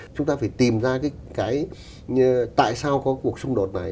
chúng ta phải tìm ra cái tại sao có cuộc xung đột này